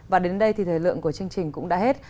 và đến đây thì thời lượng của chương trình cũng đã hết